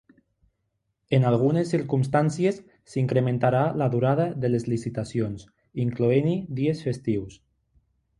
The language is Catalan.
En algunes circumstàncies s'incrementarà la durada de les licitacions, incloent-hi dies festius.